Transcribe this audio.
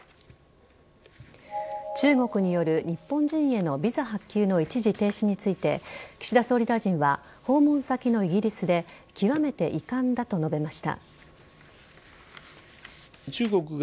中国による日本人へのビザ発給の一時停止について岸田総理大臣は訪問先のイギリスで極めて遺憾だと述べました。